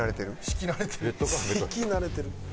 敷き慣れてる。